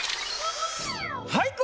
俳句